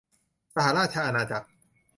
สหราชอาณาจักร